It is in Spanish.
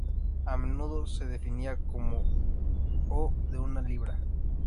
A menudo se definía como ó de una libra.